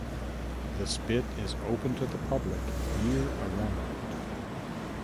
The spit is open to the public year around.